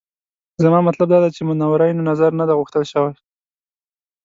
زما مطلب دا دی چې منورینو نظر نه دی غوښتل شوی.